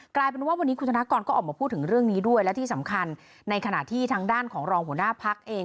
กลายเป็นว่าวันนี้คุณธนกรก็ออกมาพูดถึงเรื่องนี้ด้วยและที่สำคัญในขณะที่ทางด้านของรองหัวหน้าพักเอง